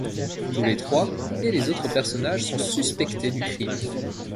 Tous les trois, et les autres personnages, sont suspectés du crime.